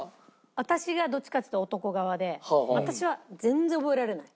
私がどっちかというと男側で私は全然覚えられない。